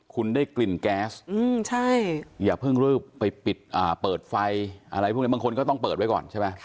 คุณได้กลิ่นแก๊สอย่าเพิ่งรีบไปปิดเปิดไฟอะไรพวกนี้บางคนก็ต้องเปิดไว้ก่อนใช่ไหม